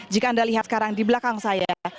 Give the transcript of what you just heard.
jika anda lihat sekarang di belakang saya